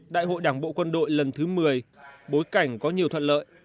đại hội đảng bộ quân đội lần thứ một mươi bối cảnh có nhiều thuận lợi